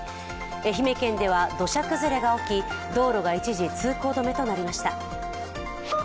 愛媛県では土砂崩れが起き道路が一時通行止めとなりました。